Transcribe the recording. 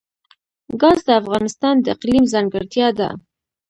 ګاز د افغانستان د اقلیم ځانګړتیا ده.